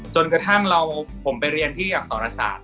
จนกระทั่งเราผมไปเรียนที่อักษรศาสตร์